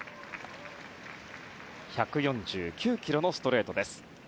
１４９キロのストレート。